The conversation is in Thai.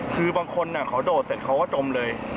คือบางคนเขาโดดเสร็จเขาก็จมเลย